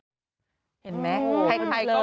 เห็นไหมใครเคลิ้น